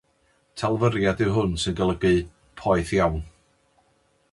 Talfyriad yw hwn sy'n golygu 'poeth iawn'.